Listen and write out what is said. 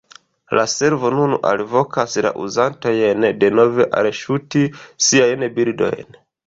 La servo nun alvokas la uzantojn denove alŝuti siajn bildojn.